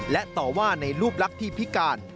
และต่อว่าในรูปลักษณ์ที่พิการ